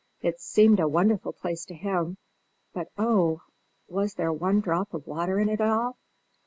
It seemed a wonderful place to him; but, oh! was there one drop of water in it all?